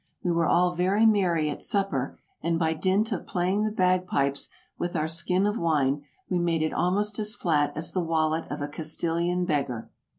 We were all very merry at supper, and by dint of playing the bagpipes with our skin of wine, we made it almost as flat as the wallet of a Castilian beggar.